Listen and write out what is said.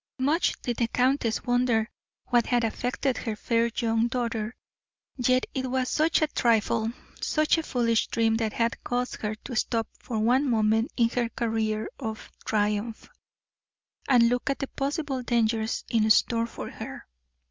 Much did the countess wonder what had affected her fair young daughter. Yet it was such a trifle, such a foolish dream that had caused her to stop for one moment in her career of triumph, and look at the possible dangers in store for her.